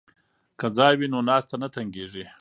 که ځای وي نو ناسته نه تنګیږي.